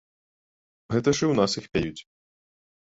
Гэта ж і ў нас іх пяюць.